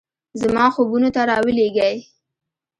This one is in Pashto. زما خوبونو ته راولیږئ